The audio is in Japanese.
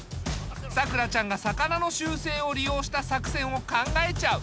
さくらちゃんが魚の習性を利用した作戦を考えちゃう。